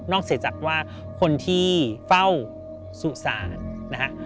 นอกเสียจากว่าคนที่เฝ้าสุสาน